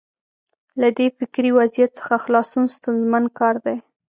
له دې فکري وضعیت څخه خلاصون ستونزمن کار دی.